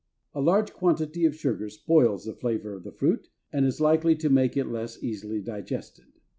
A large quantity of sugar spoils the flavor of the fruit and is likely to make it less easily digested.